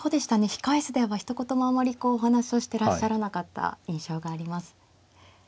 控え室ではひと言もあまりこうお話をしてらっしゃらなかった印象があります。